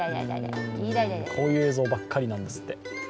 こういう映像ばっかりなんですって。